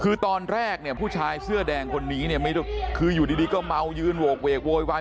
คือตอนแรกเนี่ยผู้ชายเสื้อแดงคนนี้เนี่ยคืออยู่ดีก็เมายืนโหกเวกโวยวาย